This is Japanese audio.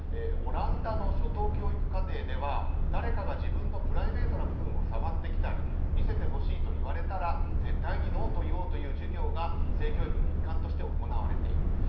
オランダの初等教育課程では「誰かが自分のプライベートな部分を触ってきたり見せてほしいと言われたら絶対に「ＮＯ」と言おう」という授業が性教育の一環として行われている。